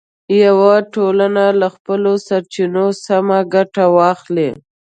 یوه ټولنه له خپلو سرچینو سمه ګټه واخلي.